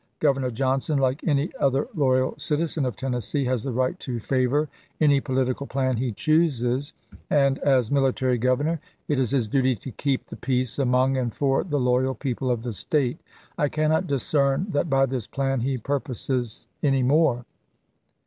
Governor Johnson, like any other loyal citizen of Tennessee, has the right to favor any political plan he chooses, and, as military governor, it is his duty to keep the peace among and for the loyal people of the State. I cannot discern that by this plan he purposes any more.